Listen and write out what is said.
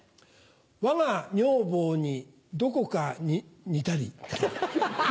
わが女房にどこか似たけり。